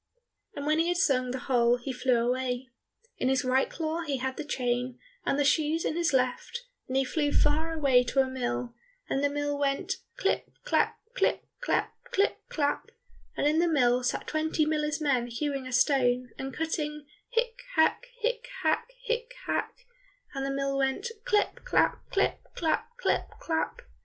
And when he had sung the whole he flew away. In his right claw he had the chain and the shoes in his left, and he flew far away to a mill, and the mill went, "klipp klapp, klipp klapp, klipp klapp," and in the mill sat twenty miller's men hewing a stone, and cutting, hick hack, hick hack, hick hack, and the mill went klipp klapp, klipp klapp, klipp klapp.